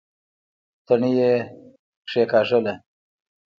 تڼۍ يې کېکاږله.